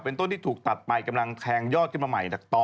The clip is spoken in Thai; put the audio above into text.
ต้นที่ถูกตัดไปกำลังแทงยอดขึ้นมาใหม่จากต่อ